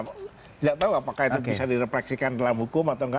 tidak tahu apakah itu bisa direfleksikan dalam hukum atau enggak